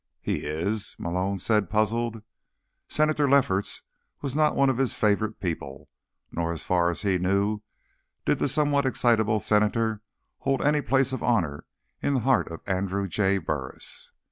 "He is?" Malone said, puzzled. Senator Lefferts was not one of his favorite people. Nor, as far as he knew, did the somewhat excitable senator hold any place of honor in the heart of Andrew J. Burris.